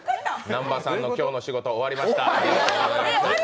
南波さんの今日の仕事終わりました。